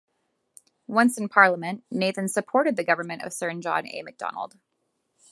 Once in Parliament, Nathan supported the government of Sir John A. Macdonald.